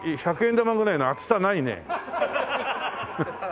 玉くらいの厚さないね。